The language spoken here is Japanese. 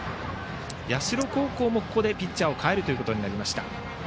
社高校もここでピッチャーを代えることになりました。